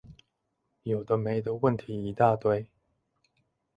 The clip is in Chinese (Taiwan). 有的沒的問題一大堆